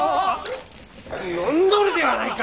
飲んどるではないか！